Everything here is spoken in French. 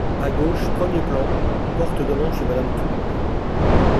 A gauche, premier plan, porte donnant chez madame Toudoux.